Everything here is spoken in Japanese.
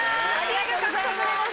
ありがとうございます。